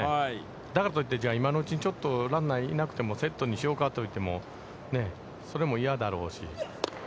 だからといって今のうちにランナーいなくてもセットにしようかといっても、それも嫌だろうし。